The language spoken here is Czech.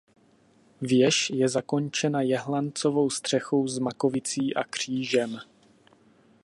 Věž je zakončena jehlancovou střechou s makovicí a křížem.